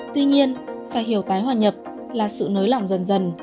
tuy nhiên phải hiểu tái hòa nhập là sự nới lỏng dần dần